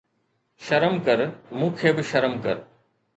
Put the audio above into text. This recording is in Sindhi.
شرم ڪر، مون کي به شرم ڪر